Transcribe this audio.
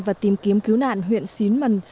và tìm kiếm cứu nạn huyện xín mần